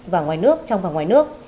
và trong và ngoài nước